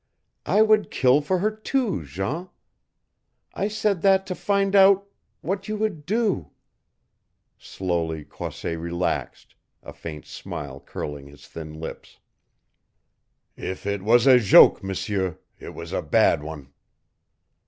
I would kill for her, too, Jean. I said that to find out what you would do " Slowly Croisset relaxed, a faint smile curling his thin lips. "If it was a joke, M'seur, it was a bad one."